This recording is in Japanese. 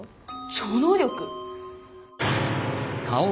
超能力⁉